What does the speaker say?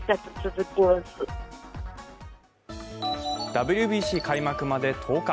ＷＢＣ開幕まで１０日。